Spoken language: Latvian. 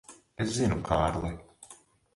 Es zinu, Kārli.